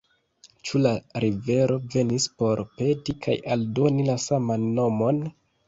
Ĉu la rivero venis por peti kaj aldoni la saman nomon?